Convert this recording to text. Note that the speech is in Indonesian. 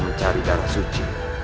mencari darah suci